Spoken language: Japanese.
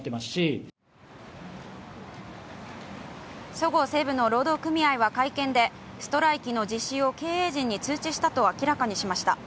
そごう・西武の労働組合は会見でストライキの実施を経営陣に通知したと明らかにしました。